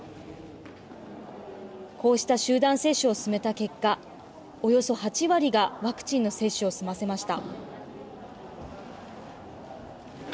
こうした集団接種を進めた結果およそ８割がワクチンの接種を済ませました。